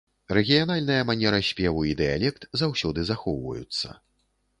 Рэгіянальная манера спеву і дыялект заўсёды захоўваюцца.